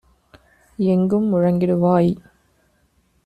எங்கும் முழங்கிடுவாய்!